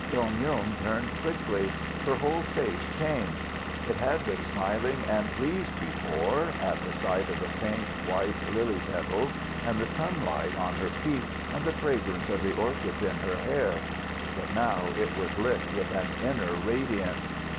Dong Yung turned quickly. Her whole face changed. It had been smiling and pleased before at the sight of the faint, white lily petals and the sunlight on her feet and the fragrance of the orchids in her hair; but now it was lit with an inner radiance.